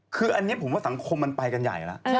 คืออันนี้ผมว่าสังคมมันไปกันใหญ่แล้ว